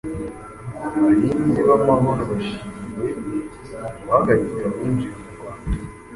abarinzi b’amahoro bashimiwe guhagarika abinjira mu rwanda